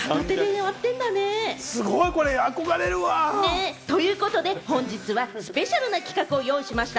これ憧れるわ。ということで本日はスペシャルな企画をご用意しました。